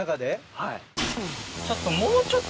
はい。